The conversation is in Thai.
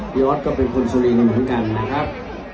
ออสก็เป็นคนสุรินทร์เหมือนกันนะครับ